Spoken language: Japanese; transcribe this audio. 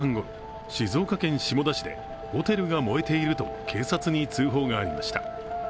昨日、午前４時半ごろ、静岡県下田市でホテルが燃えていると警察に通報がありました。